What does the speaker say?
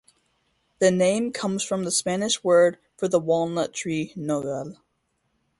The name comes from the Spanish word for the walnut tree, "nogal".